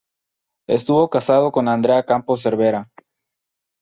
Estuvo casado con Andrea Campos Cervera.